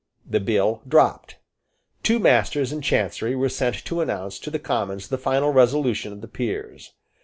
The bill dropped. Two Masters in Chancery were sent to announce to the Commons the final resolution of the Peers.